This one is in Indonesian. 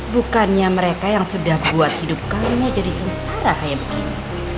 bukannya mereka yang sudah buat hidup kamu jadi sengsara kayak begini